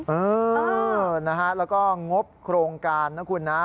เออนะฮะแล้วก็งบโครงการนะคุณนะ